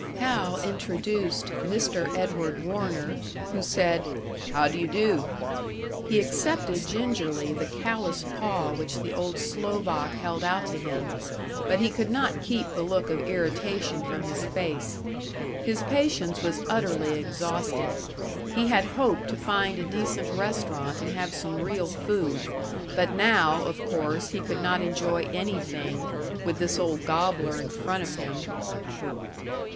Hal introduced "Mr. Edward Warner," who said "How do you do?" He accepted gingerly the calloused paw which the old Slovak held out to him, but he could not keep the look of irritation from his face. His patience was utterly exhausted. He had hoped to find a decent restaurant and have some real food; but now, of course, he could not enjoy anything, with this old gobbler in front of him.